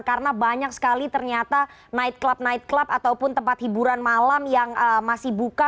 karena banyak sekali ternyata nightclub nightclub ataupun tempat hiburan malam yang masih buka